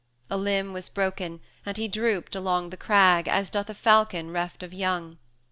A limb was broken, and he drooped along The crag, as doth a falcon reft of young.